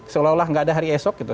seolah olah nggak ada hari esok gitu